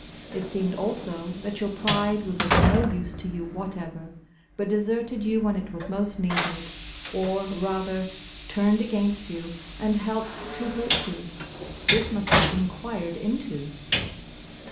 It seemed also, that your pride was of no use to you whatever, but deserted you when it was most needed, or, rather, turned against you, and helped to hurt you. This must be enquired into.